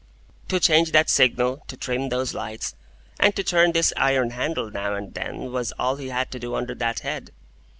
To change that signal, to trim those lights, and to turn this iron handle now and then, was all he had to do under that head.